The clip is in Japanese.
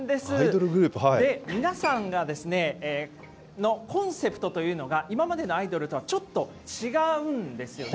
皆さんのコンセプトというのが、今までのアイドルとはちょっと違うんですよね。